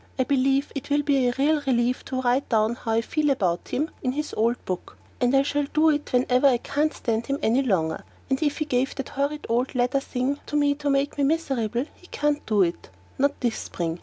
I believe it will be a real relief to write down how I feel about him in his old book, and I shall do it whenever I can't stand him any longer; and if he gave the horrid, red leather thing to me to make me miserable he can't do it; not this spring!